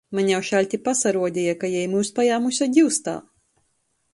Maņ jau šaļti pasaruodeja, ka jei myus pajāmuse giustā!